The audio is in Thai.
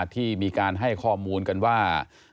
ที่มีการให้ข้อมูลกันว่า